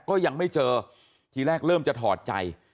ก็ยังไม่เจอทีแรกเริ่มจะถอดใจ